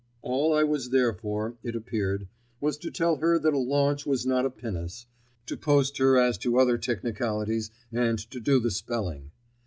All I was there for, it appeared, was to tell her that a launch was not a pinnace, to post her as to other technicalities and to do the spelling.